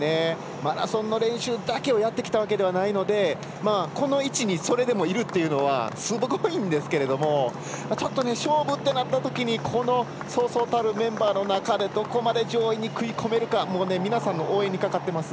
マラソンの練習だけをやってきたわけではないのでこの位置にそれでもいるというのはすごいんですけれどもちょっと勝負ってなったときにこのそうそうたるメンバーの中どこまで上位に食い込めるか皆さんの応援にかかってます。